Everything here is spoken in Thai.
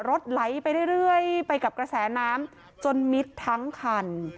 รถไหลไปเรื่อยไปกับกระแสน้ำจนมิดทั้งคัน